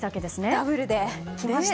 ダブルできました。